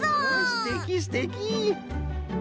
すてきすてき！